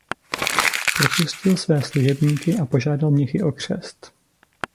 Propustil své služebníky a požádal mnichy o křest.